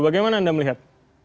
bagaimana anda melihat